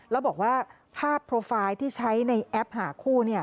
แล้วบอกว่าภาพโปรไฟล์ที่ใช้ในแอปหาคู่